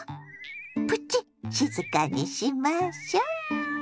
プチ静かにしましょ。